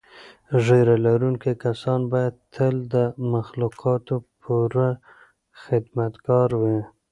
ږیره لرونکي کسان باید تل د مخلوقاتو پوره خدمتګار وي.